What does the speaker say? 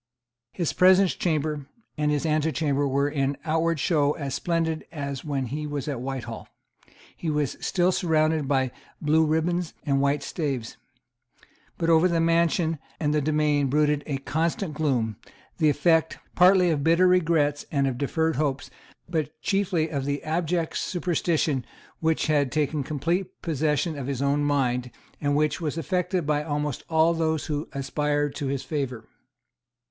His presence chamber and his antechamber were in outward show as splendid as when he was at Whitehall. He was still surrounded by blue ribands and white staves. But over the mansion and the domain brooded a constant gloom, the effect, partly of bitter regrets and of deferred hopes, but chiefly of the abject superstition which had taken complete possession of his own mind, and which was affected by almost all those who aspired to his favour.